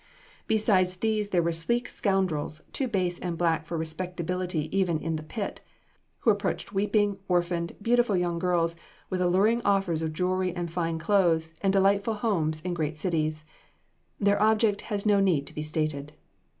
Besides these there were sleek scoundrels, too base and black for respectability even in the pit, who approached weeping, orphaned, beautiful young girls with alluring offers of jewelry and fine clothes and delightful homes, in great cities. Their object has no need to be stated.